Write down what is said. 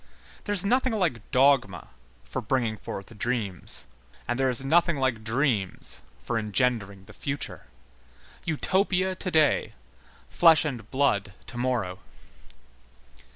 There is nothing like dogma for bringing forth dreams. And there is nothing like dreams for engendering the future. Utopia to day, flesh and blood to morrow.